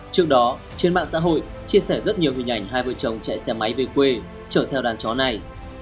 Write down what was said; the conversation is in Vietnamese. trước đó trên mạng xã hội chia sẻ rất nhiều hình ảnh hai vợ chồng chạy xe máy về quê chở theo đàn chó này